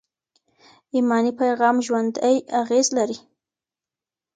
ایماني پیغام ژوندي اغېز لري.